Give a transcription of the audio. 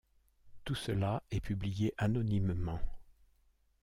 Tout cela est publié anonymement.